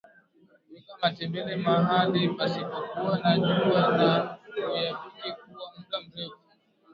weka matembele mahali pasipokuwa na jua na uyapike kwa muda mfupi